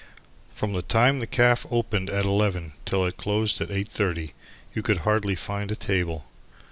From the time the caff opened at 11 till it closed at 8.30, you could hardly find a table.